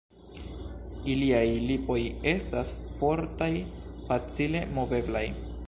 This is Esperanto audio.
Iliaj lipoj estas fortaj, facile moveblaj.